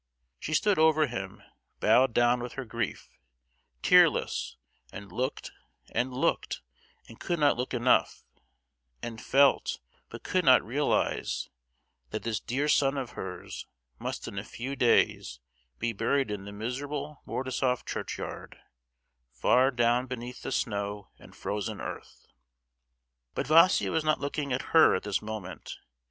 She stood over him, bowed down with her grief—tearless, and looked and looked, and could not look enough; and felt, but could not realize, that this dear son of hers must in a few days be buried in the miserable Mordasof churchyard, far down beneath the snow and frozen earth! But Vaísia was not looking at her at this moment!